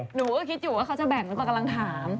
หนูก็คิดอยู่ว่าเค้าจะแบ่งต่อกำลังถาม